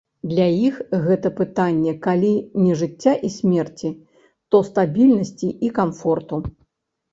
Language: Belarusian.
Для іх гэта пытанне калі не жыцця і смерці, то стабільнасці і камфорту.